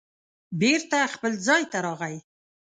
بېرته خپل ځای ته راغی